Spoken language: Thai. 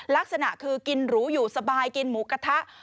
ลักษณะคือกินหรูอยู่สบายกินหมูกระทะ